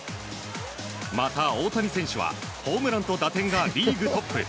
また大谷選手はホームランと打点がリーグトップ。